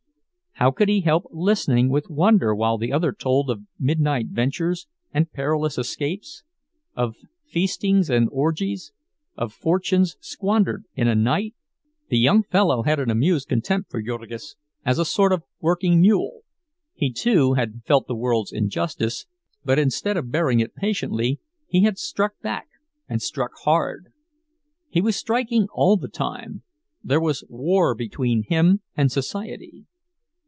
How could he help listening with wonder while the other told of midnight ventures and perilous escapes, of feastings and orgies, of fortunes squandered in a night? The young fellow had an amused contempt for Jurgis, as a sort of working mule; he, too, had felt the world's injustice, but instead of bearing it patiently, he had struck back, and struck hard. He was striking all the time—there was war between him and society.